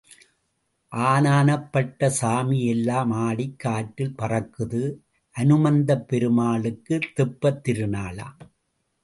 ஆனானப்பட்ட சாமி எல்லாம் ஆடிக் காற்றில் பறக்குது அநுமந்தப் பெருமாளுக்குத் தெப்பத் திருநாளாம்.